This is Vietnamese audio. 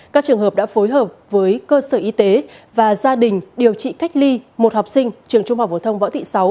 các trường hợp đã phối hợp với cơ sở y tế và gia đình điều trị cách ly một học sinh trường trung học phổ thông võ thị sáu